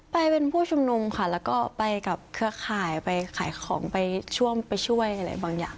ไปเป็นผู้ชุมนุมค่ะแล้วก็ไปกับเครือข่ายไปขายของไปช่วยอะไรบางอย่าง